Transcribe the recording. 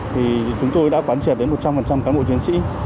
thì chúng tôi đã quán triệt đến một trăm linh cán bộ chiến sĩ